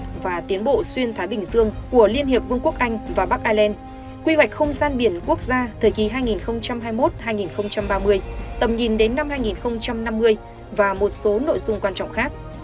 quốc hội sẽ xem xét được tiến bộ xuyên thái bình dương của liên hiệp vương quốc anh và bắc ireland quy hoạch không gian biển quốc gia thời kỳ hai nghìn hai mươi một hai nghìn ba mươi tầm nhìn đến năm hai nghìn năm mươi và một số nội dung quan trọng khác